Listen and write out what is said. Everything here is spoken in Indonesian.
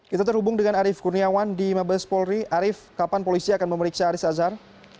kita terhubung dengan arief kurniawan di mabes polri arief kapan polisi akan memeriksa haris azhar